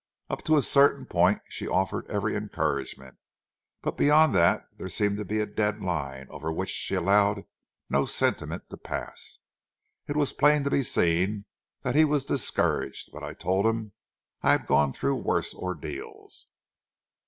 Up to a certain point, she offered every encouragement, but beyond that there seemed to be a dead line over which she allowed no sentiment to pass. It was plain to be seen that he was discouraged, but I told him I had gone through worse ordeals.